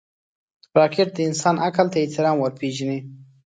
راکټ د انسان عقل ته احترام ورپېژني